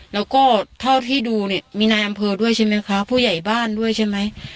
แล้วก็เท่าที่ดูเนี่ยมีนายอำเภอด้วยใช่ไหมคะผู้ใหญ่บ้านด้วยใช่ไหม